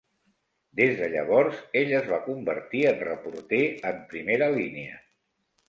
Des de llavors, ell es va convertir en reporter en primera línia.